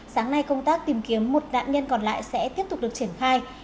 sáng nay công tác tìm kiếm một nạn nhân còn lại sẽ tiếp tục được triển khai